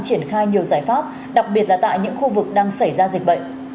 triển khai nhiều giải pháp đặc biệt là tại những khu vực đang xảy ra dịch bệnh